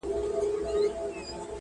هم سلوک هم یې رفتار د ملکې وو.!